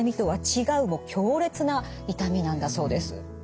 もう強烈な痛みなんだそうです。